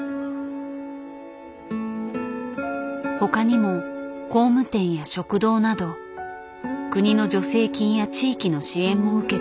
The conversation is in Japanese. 他にも工務店や食堂など国の助成金や地域の支援も受けて次々と設立してきた。